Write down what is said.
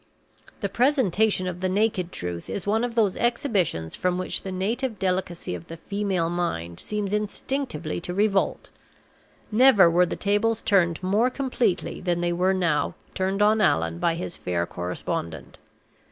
The presentation of the naked truth is one of those exhibitions from which the native delicacy of the female mind seems instinctively to revolt. Never were the tables turned more completely than they were now turned on Allan by his fair correspondent.